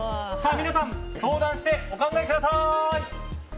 皆さん、相談してお考えください！